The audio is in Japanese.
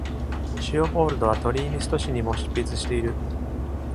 シオボールドはトリーミスト誌にも執筆している。